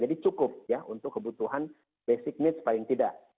jadi cukup untuk kebutuhan basic needs paling tidak